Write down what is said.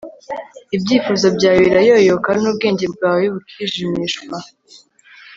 ibyifuzo byawe birayoyoka, n'ubwenge bwawe bukijimishwa